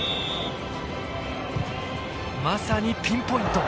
まさにピンポイント。